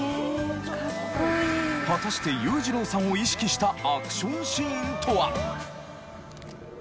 果たして裕次郎さんを意識したアクションシーンとは？